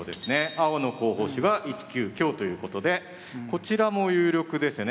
青の候補手が１九香ということでこちらも有力ですよね。